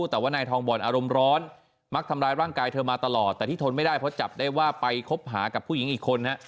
แต่ว่านายทองบอลอารมณ์ร้อนมักทำร้ายร่างกายเธอมาตลอดแต่ที่ทนไม่ได้เพราะจับได้ว่าไปคบหากับผู้หญิงอีกคนฮะ